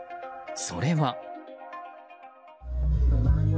それは。